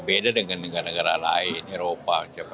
beda dengan negara negara lain eropa